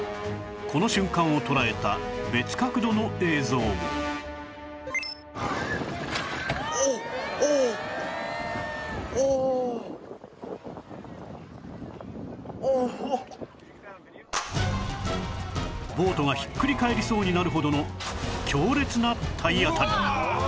この瞬間を捉えたボートがひっくり返りそうになるほどの強烈な体当たり